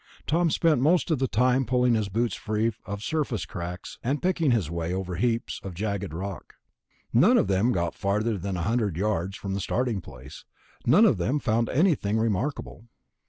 Tom spent most of the time pulling his boots free of surface cracks and picking his way over heaps of jagged rock. None of them got farther than a hundred yards from the starting place. None of them found anything remarkable.